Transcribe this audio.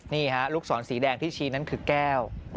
นี่ฮะลูกศรสีแดงที่ชี้นั้นคือแก้ว